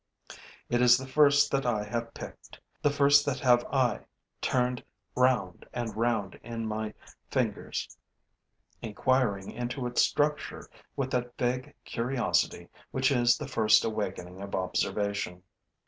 It is the first that I have picked, the first that have I turned round and round in my fingers, inquiring into its structure with that vague curiosity which is the first awakening of observation.